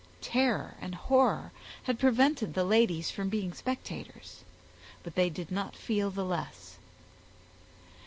Terror and horror had prevented the ladies from being spectators, but they did not feel the less.